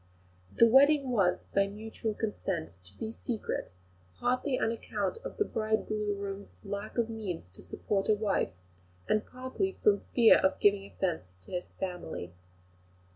The wedding was, by mutual consent, to be secret, partly on account of the bridegroom's lack of means to support a wife, and partly from fear of giving offence to his family.